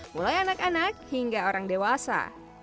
mulai anak anak hingga orang dewasa